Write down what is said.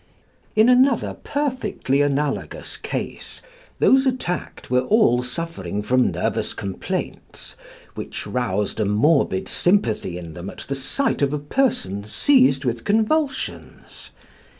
In another perfectly analogous case, those attacked were all suffering from nervous complaints, which roused a morbid sympathy in them at the sight of a person seized with convulsions.